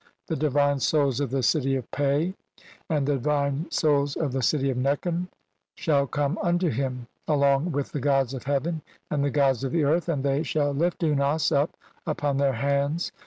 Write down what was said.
The divine 'souls of the city of Pe and the divine souls of the 'city of Nekhen shall come unto him, along with the 'gods of heaven and the gods of the earth, and they 'shall lift Unas up upon their hands.